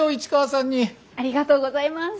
ありがとうございます！